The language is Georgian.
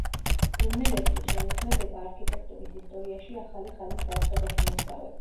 ბრუნელესკის შემოქმედება არქიტექტურის ისტორიაში ახალი ხანის დაწყებას მოასწავებდა.